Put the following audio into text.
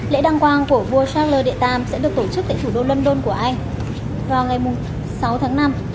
lễ đăng quang của vua charles iii sẽ được tổ chức tại thủ đô london của anh vào ngày sáu tháng năm